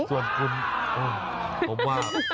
ส่วนคุณผมว่า